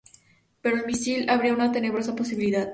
Pero el misil abría una tenebrosa posibilidad.